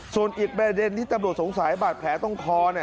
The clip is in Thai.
ส่วนอีกประเด็นที่ตำรวจสงสัยบาดแผลตรงคอ